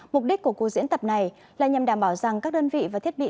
mục đích của cuộc diễn tập này là nhằm đảm bảo rằng các đơn vị và thiết bị